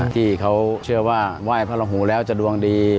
ที่เขาเชื่อว่าไหว้พระราหูแล้วจะดวงดี